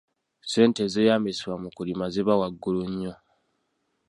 Ssente ezeeyambisibwa mu kulima ziba waggulu nnyo.